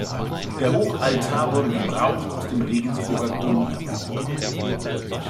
Der Hochaltar wurde gebraucht aus dem Regensburger Dom erworben.